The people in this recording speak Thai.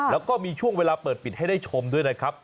แล้วก็มีช่วงเวลาเปิดปิดให้ได้ชมด้วยนะครับ